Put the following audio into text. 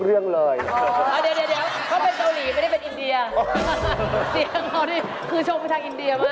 เสียงเขาดิคือชมผู้ชายอินเดียมาก